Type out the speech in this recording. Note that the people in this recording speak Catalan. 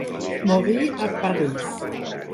Morí a París.